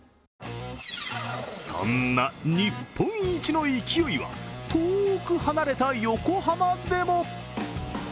そんな日本一の勢いは、遠く離れた横浜でも。